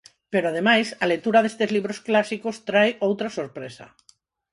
Pero ademais, a lectura destes libros clásicos trae outra sorpresa.